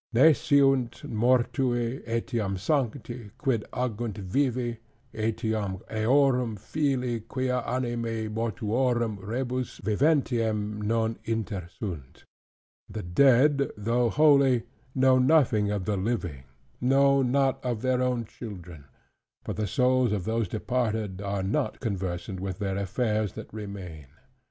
"Nesciunt mortui, etiam sancti, quid agunt vivi, etiam eorum filii, quia animae mortuorum rebus viventium non intersunt": "The dead, though holy, know nothing of the living, no, not of their own children: for the souls of those departed, are not conversant with their affairs that remain."